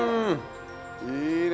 いいね。